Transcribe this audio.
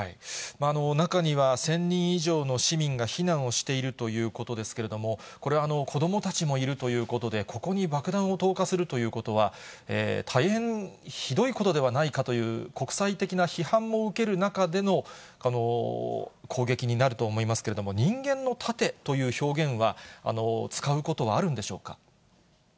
中には、１０００人以上の市民が避難をしているということですけれども、これ、子どもたちもいるということで、ここに爆弾を投下するということは、大変ひどいことではないかという国際的な批判も受ける中での攻撃になると思いますけれども、人間の盾という表現は、使うことはあるんでしょうか。